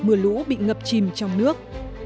mưa lũ bị ngập chìm trong nước